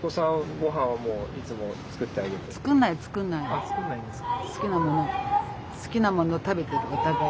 あっ作んないんですか？